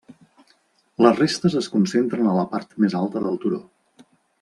Les restes es concentren a la part més alta del turó.